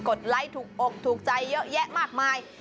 ไลค์ถูกอกถูกใจเยอะแยะมากมาย